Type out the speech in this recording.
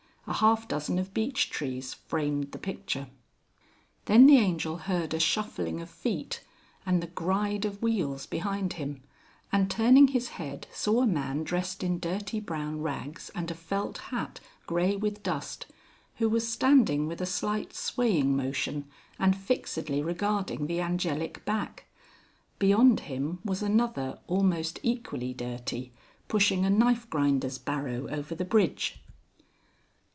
A half dozen of beech trees framed the picture. Then the Angel heard a shuffling of feet and the gride of wheels behind him, and turning his head saw a man dressed in dirty brown rags and a felt hat grey with dust, who was standing with a slight swaying motion and fixedly regarding the Angelic back. Beyond him was another almost equally dirty, pushing a knife grinder's barrow over the bridge.